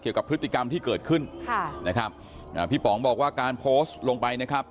เกี่ยวกับพฤติกรรมที่เกิดขึ้นค่ะนะครับอ่าพี่ป๋องบอกว่าการโพสต์ลงไปนะครับ